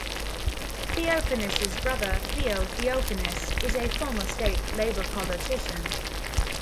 Theophanous' brother Theo Theophanous is a former state Labor politician.